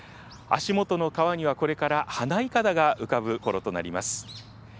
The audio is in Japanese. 足元の川にはこれから花いかだが浮かぶころとなります。